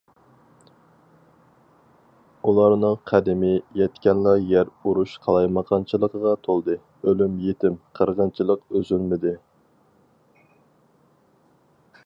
ئۇلارنىڭ قەدىمى يەتكەنلا يەر ئۇرۇش قالايمىقانچىلىقىغا تولدى، ئۆلۈم- يېتىم، قىرغىنچىلىق ئۈزۈلمىدى.